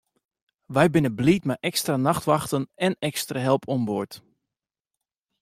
Wy binne bliid mei ekstra nachtwachten en ekstra help oan board.